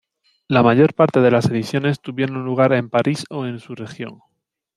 La mayor parte de las ediciones tuvieron lugar en Paris o en su región.